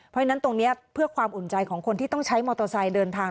เพราะฉะนั้นตรงนี้เพื่อความอุ่นใจของคนที่ต้องใช้มอเตอร์ไซค์เดินทาง